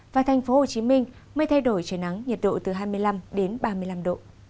và thành phố hồ chí minh mây thay đổi trời nắng nhiệt độ từ hai mươi năm đến ba mươi năm độ